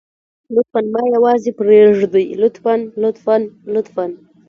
لطفاً ما يوازې پرېږدئ لطفاً لطفاً لطفاً.